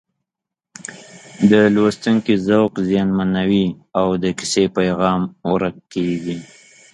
د لوستونکي ذوق زیانمنوي او د کیسې پیغام ورک کېږي